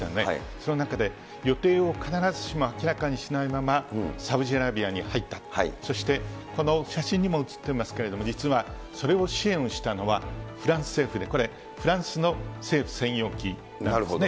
その中で、予定を必ずしも明らかにしないまま、サウジアラビアに入った、そして、この写真にも写っていますけれども、実はそれを支援をしたのはフランス政府で、これ、フランスの政府専用機なんですね。